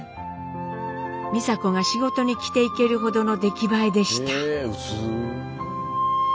美佐子が仕事に着ていけるほどの出来栄えでした。